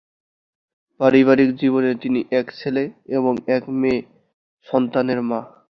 পারিবারিক জীবনে তিনি এক ছেলে এবং এক মেয়ে সন্তানের মা।